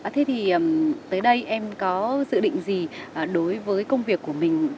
thế thì tới đây em có dự định gì đối với công việc của mình